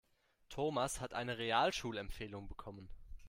Thomas hat eine Realschulempfehlung bekommen.